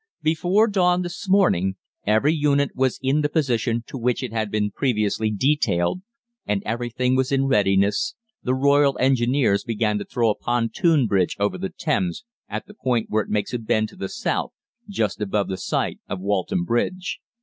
"Before dawn this morning every unit was in the position to which it had been previously detailed, and, everything being in readiness, the Royal Engineers began to throw a pontoon bridge over the Thames at the point where it makes a bend to the south just above the site of Walton Bridge.